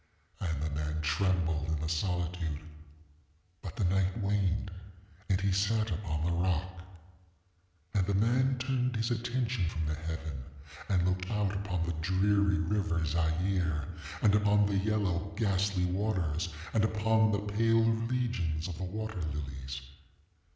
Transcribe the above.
And the man trembled in the solitude; ŌĆöbut the night waned, and he sat upon the rock. ŌĆ£And the man turned his attention from the heaven, and looked out upon the dreary river Zaire, and upon the yellow ghastly waters, and upon the pale legions of the water lilies.